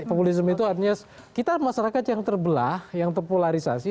populisme itu artinya kita masyarakat yang terbelah yang terpolarisasi